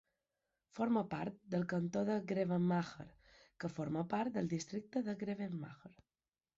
Forma part del Cantó de Grevenmacher, que forma part del districte de Grevenmacher.